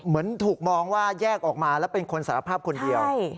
เหมือนถูกมองว่าแยกออกมาแล้วเป็นคนสารภาพคนเดียว